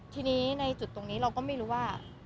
ทีนี้ในจุดตรงนี้เราก็ไม่รู้ว่า